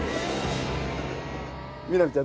みなみちゃん